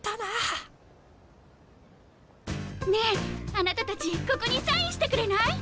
ねえあなたたちここにサインしてくれない？